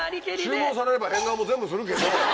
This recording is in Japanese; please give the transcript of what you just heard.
注文されれば変顔も全部するけど。